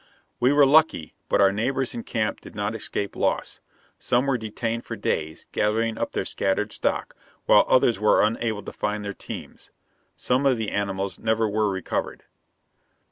We were lucky, but our neighbors in camp did not escape loss. Some were detained for days, gathering up their scattered stock, while others were unable to find their teams. Some of the animals never were recovered.